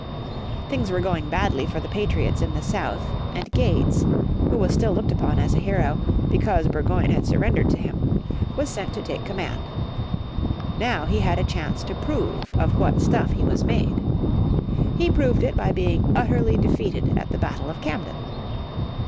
Things were going badly for the patriots in the south, and Gates, who was still looked upon as a hero, because Burgoyne had surrendered to him, was sent to take command. Now he had a chance to prove of what stuff he was made. He proved it by being utterly defeated at the battle of Camden.